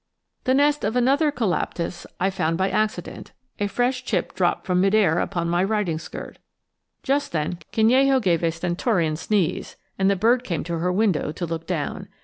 The nest of another Colaptes, I found by accident a fresh chip dropped from mid air upon my riding skirt. Just then Canello gave a stentorian sneeze and the bird came to her window to look down.